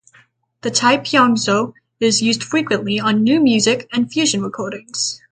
The "taepyeongso" is used frequently on new music and fusion recordings.